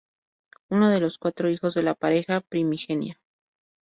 Uno de los cuatro hijos de la pareja primigenia.